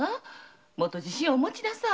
もっと自信をお持ちなさい。